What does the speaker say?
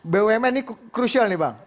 bumn ini krusial nih bang